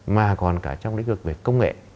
mà còn cả trong lĩnh vực về công nghệ